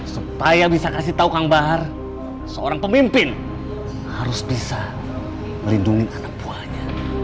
supaya bisa kasih tahu kang bahar seorang pemimpin harus bisa melindungi anak buahnya